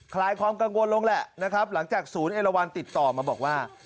ลายความกังวลลงแหละนะครับหลังจากศูนย์เอลวันติดต่อมาบอกว่า